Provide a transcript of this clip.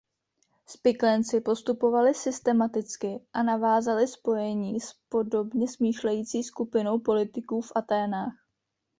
Spiklenci postupovali systematicky a navázali spojení s podobně smýšlející skupinou politiků v Athénách.